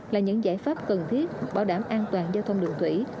là những giải pháp cần thiết bảo đảm an toàn giao thông đường thủy